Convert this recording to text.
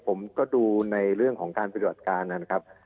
ผมก็ดูในเรื่องของการปฏิบัติการนะครับ